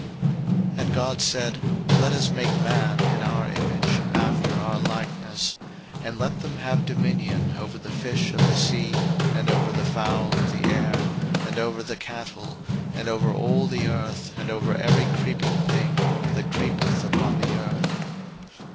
01:001:026 And God said, Let us make man in our image, after our likeness: and let them have dominion over the fish of the sea, and over the fowl of the air, and over the cattle, and over all the earth, and over every creeping thing that creepeth upon the earth.